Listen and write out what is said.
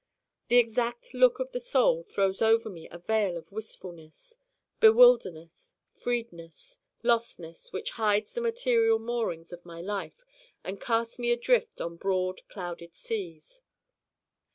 The exact outlook of the Soul throws over me a veil of wistfulness, bewilderness, freedness, lostness which hides the material moorings of my life and casts me adrift on broad clouded seas.